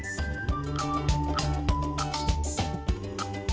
dan ini mungkin mungkin bukan hal yang mudah memujuk tiga rekannya ini bergabung dalam neon